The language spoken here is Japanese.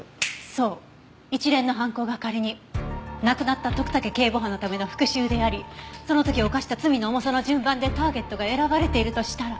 そう一連の犯行が仮に亡くなった徳武警部補のための復讐でありその時犯した罪の重さの順番でターゲットが選ばれているとしたら。